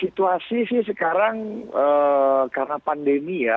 situasi sih sekarang karena pandemi ya